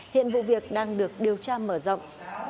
hiện vụ việc đang được điều tra mở rộng